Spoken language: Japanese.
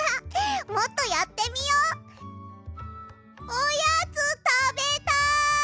おやつたべたい！